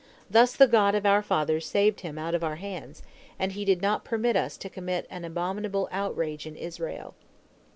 Thus the God of our fathers saved him out of our hands, and He did not permit us to commit an abominable outrage in Israel.